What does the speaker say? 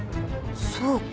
そうか。